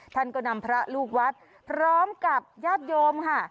ท่านก็นำพระลูกวัดพร้อมกับญาติโยมค่ะ